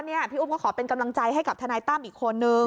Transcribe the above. นี่พี่อุ้มก็ขอเป็นกำลังใจให้กับทนายตั้มอีกคนนึง